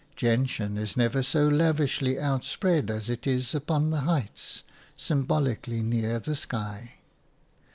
Gentian is never so lavishly outspread as it is upon the heights, symbolically near the sky.